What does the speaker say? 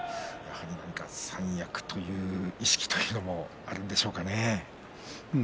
三役という意識もあるんでしょうかね。